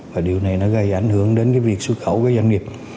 và điều này nó gây ảnh hưởng đến cái việc xuất khẩu của doanh nghiệp